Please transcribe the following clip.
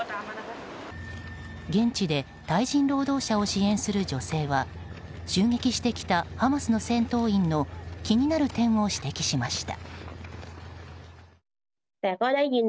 現地でタイ人労働者を支援する女性は襲撃してきたハマスの戦闘員の気になる点を指摘しました。